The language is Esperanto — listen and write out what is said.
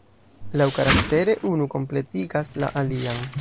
Laŭkaraktere unu kompletigas la alian.